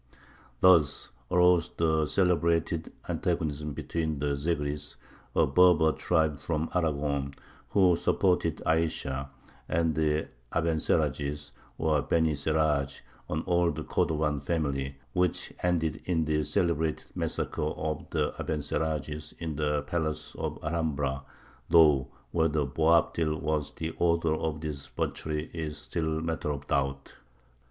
Thus arose the celebrated antagonism between the Zegris, a Berber tribe from Aragon, who supported Ayesha, and the Abencerrages, or Beny Serrāj, an old Cordovan family, which ended in the celebrated massacre of the Abencerrages in the Palace of Alhambra, though whether Boabdil was the author of this butchery is still matter of doubt.